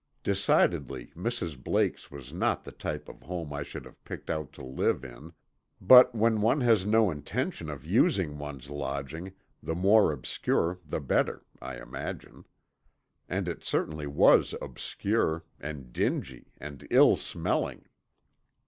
Decidedly Mrs. Blake's was not the type of home I should have picked out to live in, but when one has no intention of using one's lodging, the more obscure the better, I imagine. And it certainly was obscure, and dingy and ill smelling.